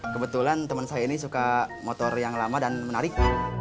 kebetulan teman saya ini suka motor yang lama dan menarik